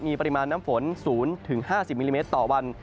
มีปริมาณน้ำฝน๐๕๐มิลลิเมตรต่อวัน